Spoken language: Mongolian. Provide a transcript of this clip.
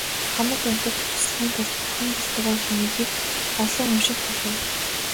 Хамаг амьтдад туслахын тулд бурхан болтугай хэмээхийг аль олон унших болой.